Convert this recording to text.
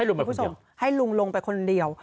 ให้ลุงมาคนเดียวให้ลุงลงไปคนเดียว